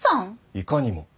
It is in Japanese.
いかにも。